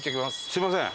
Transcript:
すみません。